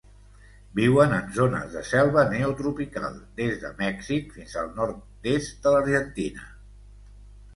Viuen en zones de selva neotropical, des de Mèxic fins al nord-est de l'Argentina.